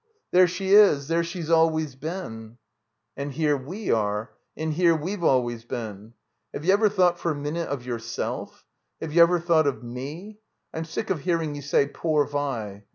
There she is. There she's always been—" "And here we are. And here we've always been. Have you ever thought for a minute of yourself f Have you ever thought of mef I'm sick of hearing you say 'poor Vi.'